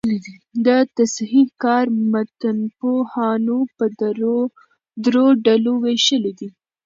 د تصحیح کار متنپوهانو په درو ډلو ویشلی دﺉ.